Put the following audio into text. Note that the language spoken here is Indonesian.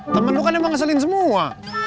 temen lo kan emang ngeselin semua